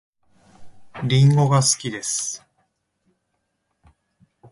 りんごが好きです